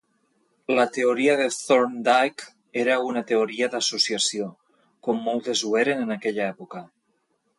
La teoria de Thorndike era una teoria d'associació, com moltes ho eren en aquella època.